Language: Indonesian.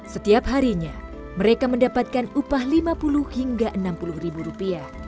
setiap harinya mereka mendapatkan upah lima puluh hingga rp enam puluh ribu rupiah